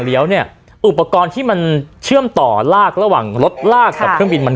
เนี่ยอุปกรณ์ที่มันเชื่อมต่อลากระหว่างรถลากกับเครื่องบินมัน